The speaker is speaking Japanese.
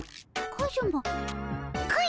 カズマ！